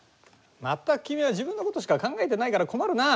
まったく君は自分のことしか考えていないから困るな。